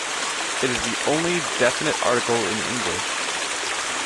It is the only definite article in English.